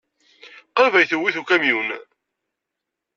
Qrib ay t-iwit ukamyun.